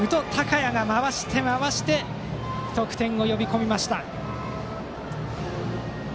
陽が回して、回して得点を呼び込みました。